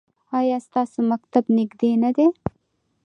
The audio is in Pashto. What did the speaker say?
ایا ستاسو مکتب نږدې نه دی؟